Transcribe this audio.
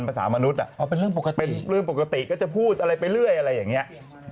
ภาษามนุษย์เป็นเรื่องปกติก็จะพูดอะไรไปเรื่อยอะไรอย่างนี้